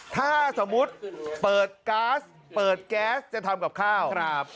ถ้าสมมุติเปิดก๊าซเปิดแก๊สจะทำกับข้าวครับ